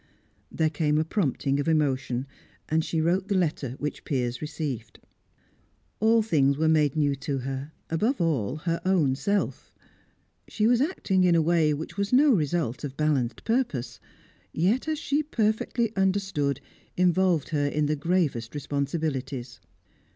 There came a prompting of emotion, and she wrote the letter which Piers received. All things were made new to her; above all, her own self. She was acting in a way which was no result of balanced purpose, yet, as she perfectly understood, involved her in the gravest responsibilities.